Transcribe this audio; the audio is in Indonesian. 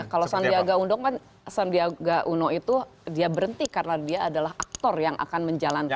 kalau sandiaga uno kan dia berhenti karena dia adalah aktor yang akan menjalankan